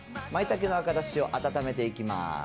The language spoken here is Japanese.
まいたけの赤だしを温めていきます。